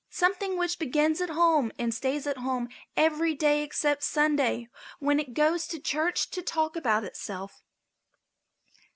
Something which begins at home and stays at home every day except Sunday, when it goes to church to talk about itself.